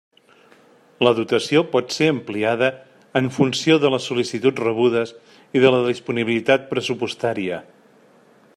La dotació pot ser ampliada en funció de les sol·licituds rebudes i de la disponibilitat pressupostària.